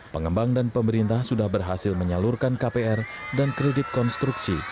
pengembang dan pemerintah sudah berhasil menyalurkan kpr dan kredit konstruksi